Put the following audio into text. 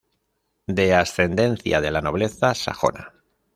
De ascendencia de la nobleza sajona.